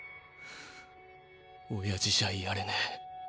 親父じゃやれねェ